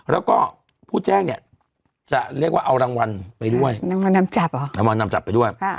แล้วก็ผู้แจ้งจะเรียกว่าเอารางวัลเป็นทางด้วย